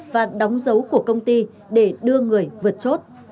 và đóng dấu của công ty để đưa người vượt chốt